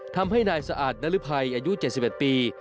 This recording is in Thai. ทำให้นายสะอาดนรภัยอายุ๗๑ปี